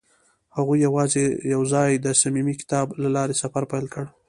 هغوی یوځای د صمیمي کتاب له لارې سفر پیل کړ.